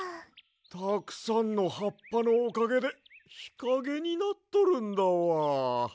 たくさんのはっぱのおかげでひかげになっとるんだわ。